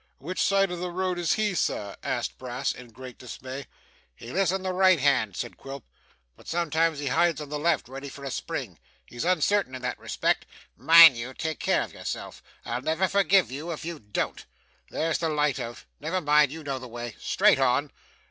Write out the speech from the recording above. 'Which side of the road is he, sir?' asked Brass, in great dismay. 'He lives on the right hand,' said Quilp, 'but sometimes he hides on the left, ready for a spring. He's uncertain in that respect. Mind you take care of yourself. I'll never forgive you if you don't. There's the light out never mind you know the way straight on!